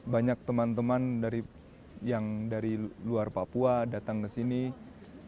banyak teman teman dari yang dari luar papua datang ke sini mereka perantauan